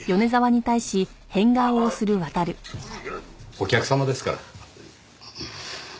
お客様ですから。